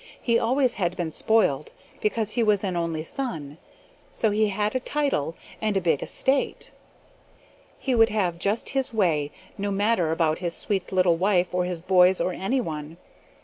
"He always had been spoiled, because he was an only son, so he had a title, and a big estate. He would have just his way, no matter about his sweet little wife, or his boys, or anyone.